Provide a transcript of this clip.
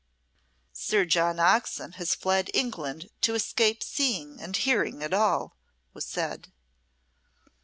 "Sir John Oxon has fled England to escape seeing and hearing it all," was said.